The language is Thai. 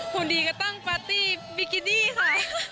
คนดีก็ตั้งปาร์ตี้บิกินี่ค่ะ